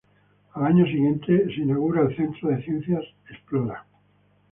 Al año siguiente es inaugurado el Centro de Ciencias Explora.